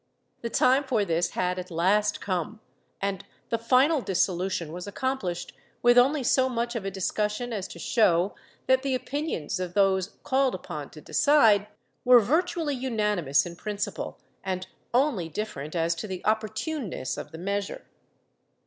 The time for this had at last come, and the final dissolution was accomplished with only so much of dis cussion as to show that the opinions of those called upon to decide were virtually unanimous in principle and only different as to the opportuneness of the measure.